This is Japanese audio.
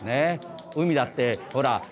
海だってほらね